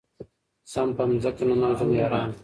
سم په مځكه ننوځم يارانـــو